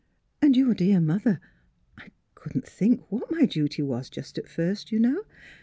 '* And your dear mother — I couldn't think what my duty was, just at first, you know.